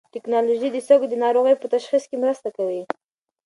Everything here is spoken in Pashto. ټېکنالوژي د سږو د ناروغۍ په تشخیص کې مرسته کوي.